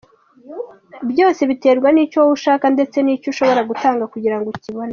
Byose biterwa nicyo wowe ushaka ndetse n'icyo ushobora gutanga kugirango ukibone.